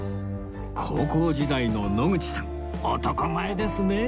高校時代の野口さん男前ですね